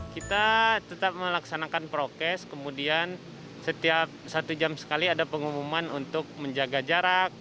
kita tetap melaksanakan prokes kemudian setiap satu jam sekali ada pengumuman untuk menjaga jarak